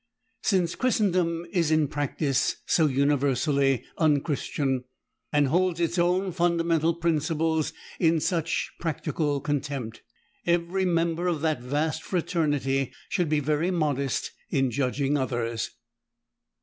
Since Christendom is in practice so universally unchristian, and holds its own fundamental principles in such practical contempt, every member of that vast fraternity should be very modest in judging others.